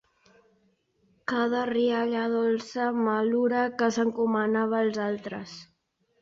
Cada rialla dolça malura que s'encomanava als altres.